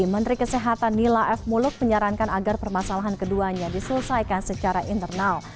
menteri kesehatan nila f muluk menyarankan agar permasalahan keduanya diselesaikan secara internal